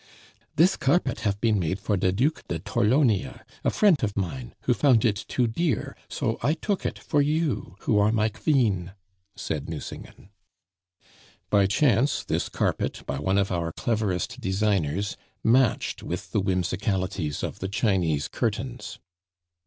"Dis carpet hafe been made for de Duc de Torlonia, a frient of mine, who fount it too dear, so I took it for you who are my qveen," said Nucingen. By chance this carpet, by one of our cleverest designers, matched with the whimsicalities of the Chinese curtains.